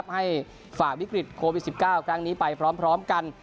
ฝ่าวิกฤตโควิด๑๙ครั้งนี้ไปพร้อมกัน